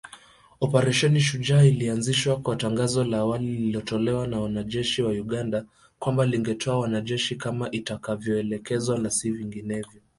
Operesheni Shujaa ilianzishwa kwa tangazo la awali lililotolewa na jeshi la Uganda, kwamba lingetoa wanajeshi kama itakavyoelekezwa na si vinginevyo